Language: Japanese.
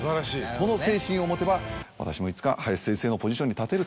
この精神を持てば私もいつか林先生のポジションに立てると。